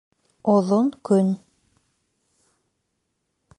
ОҘОН КӨН